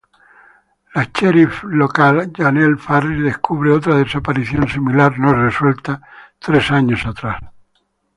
La sheriff local Janelle Farris, descubre otra desaparición similar no resuelta, tres años atrás.